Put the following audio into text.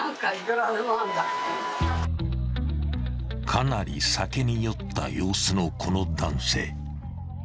［かなり酒に酔った様子のこの男性］